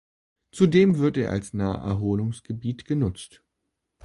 Zudem wird er als Naherholungsgebiet genutzt.